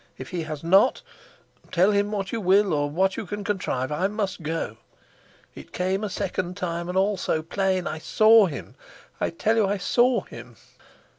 If he has not, tell him what you will or what you can contrive. I must go. It came a second time, and all so plain. I saw him; I tell you I saw him.